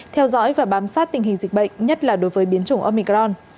theo dõi và bám sát tình hình dịch bệnh nhất là đối với biến chủng omicron